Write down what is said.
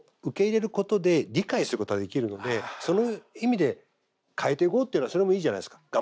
受け入れることで理解することができるのでその意味で変えていこうっていうのはそれもいいじゃないですか。